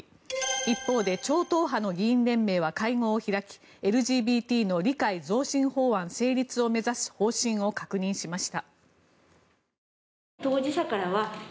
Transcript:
一方で超党派の議員連盟は会合を開きＬＧＢＴの理解増進法案成立を目指す方針を確認しました。